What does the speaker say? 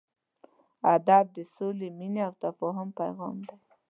ادب د سولې، مینې او تفاهم پیغام دی.